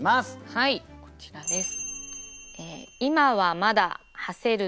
はいこちらです。